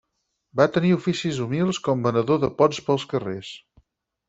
Va tenir oficis humils com venedor de pots pels carrers.